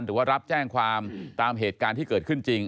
หรือว่ารับแจ้งความตามเหตุการณ์ที่เกิดขึ้นจริง